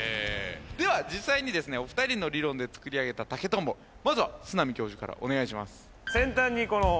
では実際にお２人の理論で作り上げた竹とんぼまずは砂見教授からお願いします。